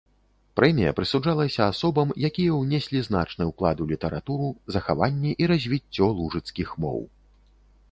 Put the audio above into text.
Прэмія прысуджалася асобам, якія ўнеслі значны ўклад у літаратуру, захаванне і развіццё лужыцкіх моў.